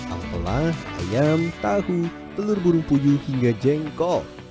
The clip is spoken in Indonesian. apel ayam tahu telur burung puju hingga jengkol